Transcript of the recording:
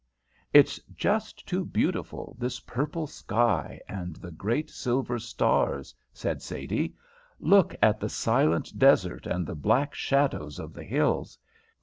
"It's just too beautiful, this purple sky and the great silver stars," said Sadie. "Look at the silent desert and the black shadows of the hills.